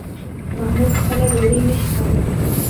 محمود خپله ډوډۍ نشي خوړلی